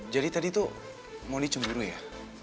jadi tadi tuh modi cemburu ya